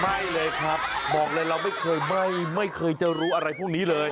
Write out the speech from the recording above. ไม่เลยครับบอกเลยเราไม่เคยจะรู้อะไรพวกนี้เลย